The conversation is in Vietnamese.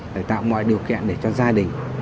để tạo mọi điều kiện để cho gia đình